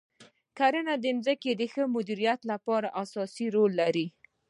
کرنه د ځمکې د ښه مدیریت لپاره اساسي رول لري.